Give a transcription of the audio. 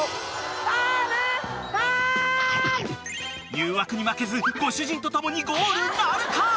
誘惑に負けずご主人と共にゴールなるか？